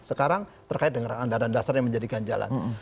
sekarang terkait dengan keadaan dasar yang menjadikan jalan